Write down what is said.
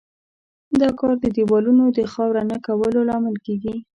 دا کار د دېوالونو د خاوره نه کولو لامل کیږي.